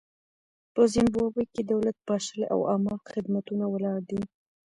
په زیمبابوې کې دولت پاشلی او عامه خدمتونه ولاړ دي.